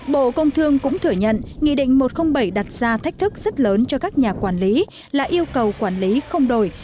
bộ công thương cũng thừa nhận nghị định một trăm linh bảy đặt ra thách thức rất lớn cho các nhà quản lý là yêu cầu quản lý không đổi